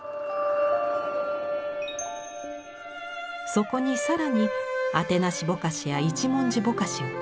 そこに更にあてなしぼかしや一文字ぼかしを重ね